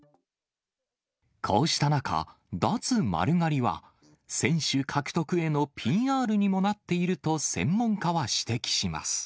こうした中、脱丸刈りは、選手獲得へのＰＲにもなっていると専門家は指摘します。